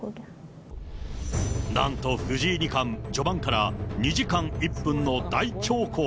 なんと藤井二冠、序盤から２時間１分の大長考。